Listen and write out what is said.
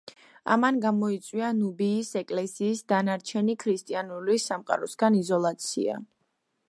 ამან გამოიწვია ნუბიის ეკლესიის დანარჩენი ქრისტიანული სამყაროსგან იზოლაცია.